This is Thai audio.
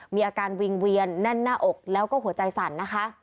มีอาการวิงเวียนแน่นหน้าอกแล้วก็หัวใจสั่นนะคะ